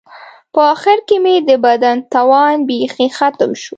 په آخر کې مې د بدن توان بیخي ختم شو.